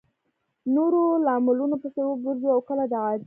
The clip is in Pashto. نورو لاملونو پسې وګرځو او کله د عادي